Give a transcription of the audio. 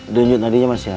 dunjut nadinya masih ada